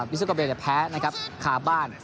วิสเซอร์โกเบจะแพ้นะครับคาบ้าน